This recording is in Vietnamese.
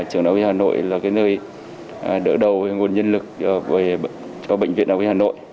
trường đại hội hà nội là nơi đỡ đầu nguồn nhân lực cho bệnh viện đại hội hà nội